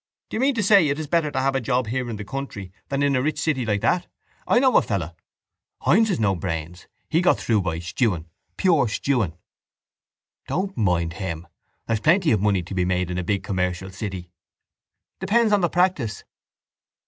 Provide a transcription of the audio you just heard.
—Do you mean to say it is better to have a job here in the country than in a rich city like that? I know a fellow... —Hynes has no brains. He got through by stewing, pure stewing. —Don't mind him. There's plenty of money to be made in a big commercial city. —Depends on the practice.